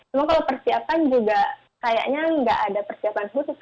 cuma kalau persiapan juga kayaknya nggak ada persiapan khusus